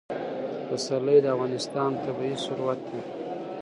پسرلی د افغانستان طبعي ثروت دی.